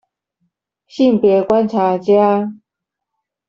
性別觀察家